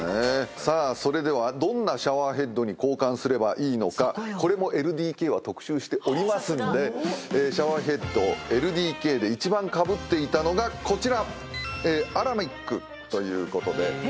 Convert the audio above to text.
さあそれではどんなシャワーヘッドに交換すればいいのかこれも『ＬＤＫ』は特集しておりますんでシャワーヘッド『ＬＤＫ』で１番かぶっていたのがこちら。